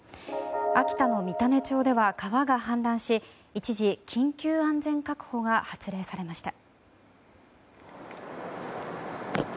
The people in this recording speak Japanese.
秋田の三種町では川が氾濫し一時、緊急安全確保が発令されました。